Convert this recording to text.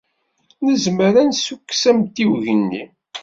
Nezmer ad d-nessukkes amtiweg-nni?